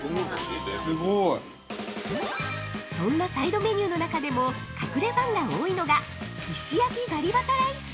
すごい。◆そんなサイドメニューの中でも隠れファンが多いのが石焼ガリバタライス。